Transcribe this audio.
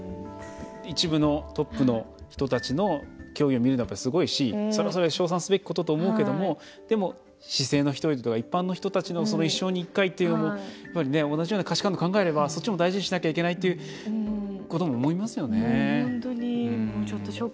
一部のトップの人たちの競技を見てるとすごいし、それはそれで称賛すべきことと思うけどでも市井の人々一般の人たちの一生に１回というのも同じような価値観も考えればそっちも大事にしなければいけないと思いますよね。